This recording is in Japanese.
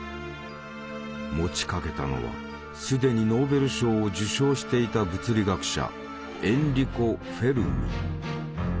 持ちかけたのは既にノーベル賞を受賞していた物理学者エンリコ・フェルミ。